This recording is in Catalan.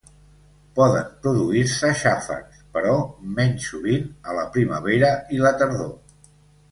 Poden produir-se xàfecs, però menys sovint, a la primavera i la tardor.